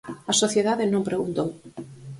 A sociedade non preguntou.